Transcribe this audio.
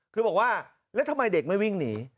คือบอกว่าแล้วทำไมเด็กไม่วิ่งหนี